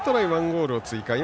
１ゴールを追加。